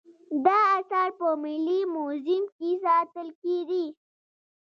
دا اثار په ملي موزیم کې ساتل کیدل